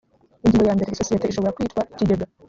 ingingo ya mbere isosiyete ishobora kwitwa ikigega